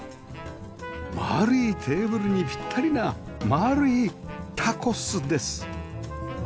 丸いテーブルにピッタリな丸いタコスです